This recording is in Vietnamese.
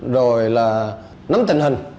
rồi là nắm tình hình